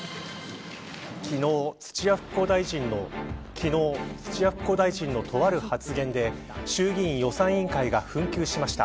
昨日、土屋復興大臣のとある発言で衆議院予算委員会が紛糾しました。